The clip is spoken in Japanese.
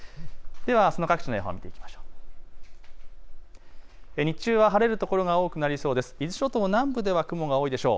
ではあすの各地の予報を見ていきましょう。